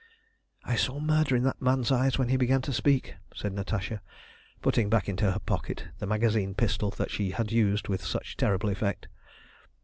"I saw murder in that man's eyes when he began to speak," said Natasha, putting back into her pocket the magazine pistol that she had used with such terrible effect.